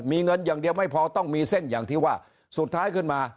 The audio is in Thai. มีเงินอย่างเดียวไม่พอต้องมีเส้นอย่างที่ว่าสุดท้ายขึ้นมา